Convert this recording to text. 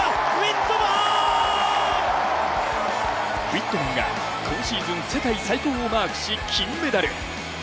ウィットマンが今シーズン世界最高をマークし金メダル。